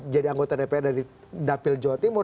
jadi anggota dpr dari dapil jawa timur